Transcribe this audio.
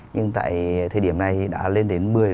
nhưng tại thời điểm này đã lên đến